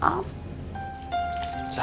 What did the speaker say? kamu gak tau kan